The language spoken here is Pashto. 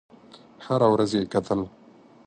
هره ورځ یې کتل.